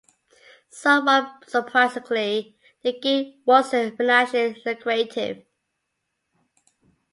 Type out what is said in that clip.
Somewhat surprisingly, the gig wasn't financially lucrative.